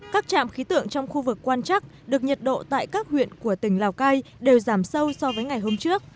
các trạm khí tượng trong khu vực quan chắc được nhiệt độ tại các huyện của tỉnh lào cai đều giảm sâu so với ngày hôm trước